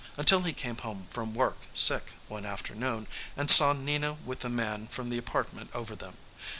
Until he came home from work sick, one afternoon and saw Nina with the man from the apartment over them.